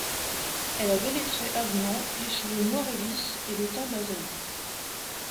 Elle avait des traits avenants, les cheveux noirs et lisses, et le teint basané.